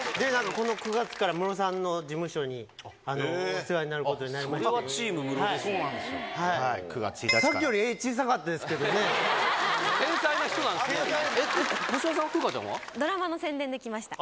この９月から、ムロさんの事務所にお世話になることになりまして。